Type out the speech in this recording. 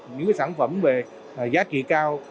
những cái sản phẩm về giá trị cao